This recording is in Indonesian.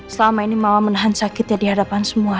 selama ini mama menahan sakit ya di hadapan semua